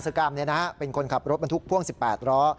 กรรมเป็นคนขับรถบรรทุกพ่วง๑๘ล้อ